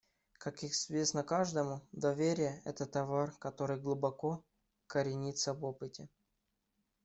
Как известно каждому, доверие − это товар, который глубоко коренится в опыте.